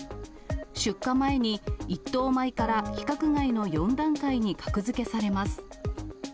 出荷前に一等米から規格外の４段階に格付けされます。